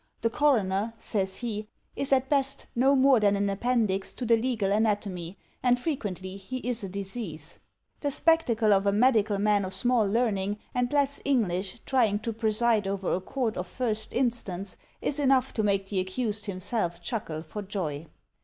"The coroner," says he, "is at best no more than an appendix to the legal anatomy, and frequently he is a disease. The spectacle of a medical man of small learning and less English trying to preside over a court of first instance is enough to make the accused himself chuckle for joy."